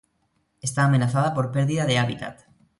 Está amenazada por perdida de hábitat.